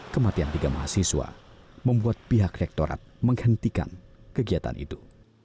kematian tiga mahasiswa membuat pihak rektorat menghentikan kegiatan itu